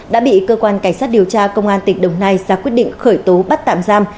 đã bị cơ quan cảnh sát điều tra công an tỉnh đồng nai ra quyết định khởi tố bắt tạm giam